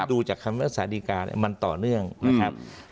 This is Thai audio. ดูจากคำรักษาดีการมันต่อเนื่องนะครับ